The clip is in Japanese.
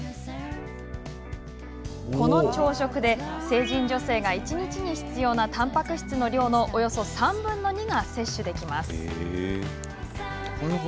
この朝食で、成人女性が一日に必要なたんぱく質の量のおよそ３分の２が摂取できます。